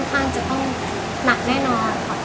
ค่อนจะต้องหนักแน่นอน